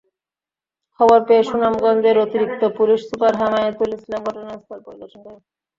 খবর পেয়ে সুনামগঞ্জের অতিরিক্ত পুলিশ সুপার হেমায়েতুল ইসলাম ঘটনাস্থল পরিদর্শন করেন।